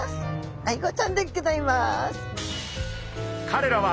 アイゴちゃんでギョざいます。